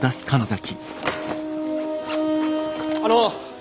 あの。